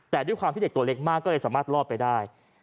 แต่ด้วยความที่เด็กตัวเล็กมากก็เลยสามารถรอดไปได้